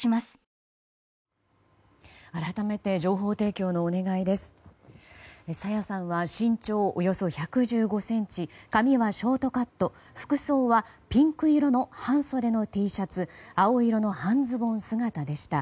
朝芽さんは身長およそ１１５ｃｍ髪はショートカット服装はピンク色の半袖のＴシャツ青色の半ズボン姿でした。